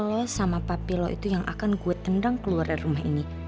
lo sama papi lo itu yang akan gue tendang keluar dari rumah ini